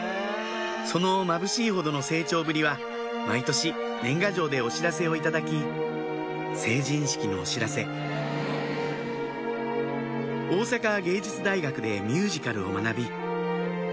そのまぶしいほどの成長ぶりは毎年年賀状でお知らせを頂き成人式のお知らせ大阪芸術大学でミュージカルを学び